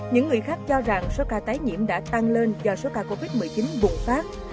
những người khác cho rằng số ca tái nhiễm đã tăng lên do số ca covid một mươi chín bùng phát